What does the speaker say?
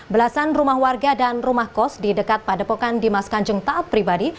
belasan rumah warga dan rumah kos di dekat padepokan dimas kanjeng taat pribadi